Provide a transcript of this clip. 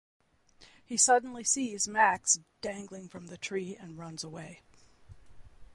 He suddenly sees Max dangling from the tree and runs away.